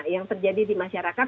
yang terjadi di masyarakat